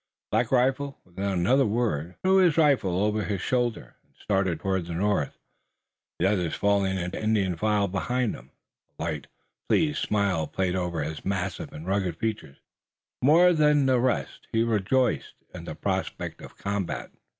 Black Rifle, without another word, threw his rifle over his shoulder and started toward the north, the others falling into Indian file behind him. A light, pleased smile played over his massive and rugged features. More than the rest he rejoiced in the prospect of combat.